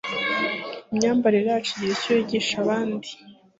imyambarire yacu igira icyo yigisha abandi